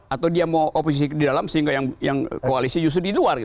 atau dia mau oposisi di dalam sehingga yang koalisi justru di luar